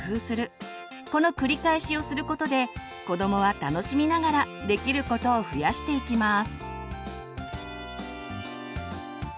この繰り返しをすることで子どもは楽しみながらできることを増やしていきます。